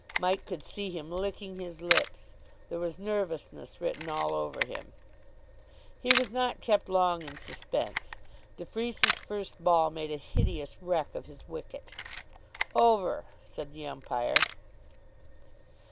Mike could see him licking his lips. There was nervousness written all over him. He was not kept long in suspense. De Freece's first ball made a hideous wreck of his wicket. "Over," said the umpire.